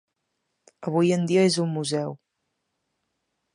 Avui en dia és un museu.